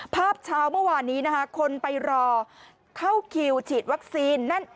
ภาพเช้าเมื่อวานนี้นะฮะ